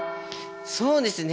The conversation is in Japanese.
そうですね。